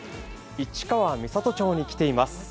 市川三郷町に来ています。